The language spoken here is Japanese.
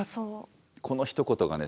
このひと言がね